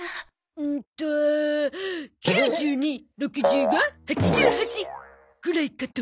うんと９２６５８８ぐらいかと。